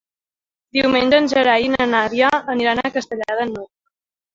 Diumenge en Gerai i na Nàdia aniran a Castellar de n'Hug.